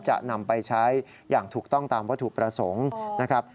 จะนำไปใช้อย่างถูกต้องตามวัตถุประสงค์นะครับ